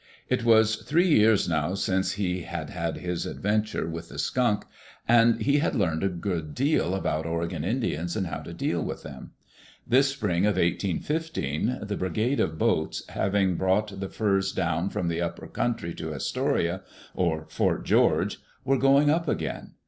It was three years now since he had had his adventure with the skunk, and he had learned a good deal about Oregon Indians and how to deal with them. This spring of 1 8 15, the Brigade of Boats, having brought the furs down from the upper country to Astoria, or Fort George, were going up again.